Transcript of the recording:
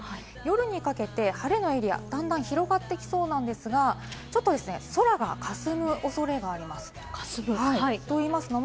夜にかけて晴れのエリア、だんだん広がってきそうなんですが、ちょっと空が霞むおそれがあります。